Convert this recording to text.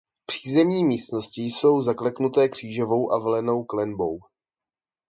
Přízemní místnosti jsou zaklenuté křížovou a valenou klenbou.